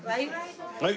はい。